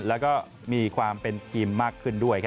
แล้วก็มีความเป็นทีมมากขึ้นด้วย